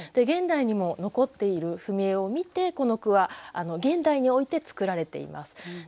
現代にも残っている踏絵を見てこの句は現代において作られています。